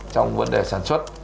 trong vấn đề sản xuất